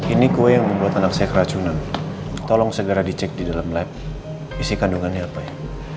ini kue yang membuat anak saya keracunan tolong segera dicek di dalam lab isi kandungannya apa ya